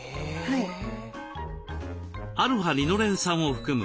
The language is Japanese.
α−リノレン酸を含む